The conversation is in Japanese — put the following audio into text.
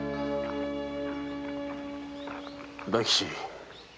大吉